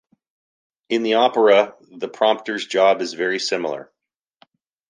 In the opera, the prompter’s job is very similar.